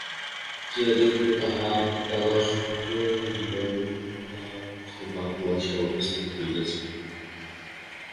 গিয়া দেখিল, তাহার দাদার সঙ্গে সঙ্গে নলিনাক্ষবাবু আসিয়া উপস্থিত হইয়াছেন।